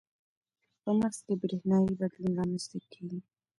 په مغز کې برېښنايي بدلون رامنځته کېږي.